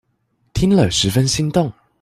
聽了十分心動